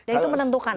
dan itu menentukan